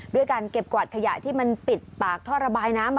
ด้วยการเก็บกวาดขยะที่มันปิดปากท่อระบายน้ำ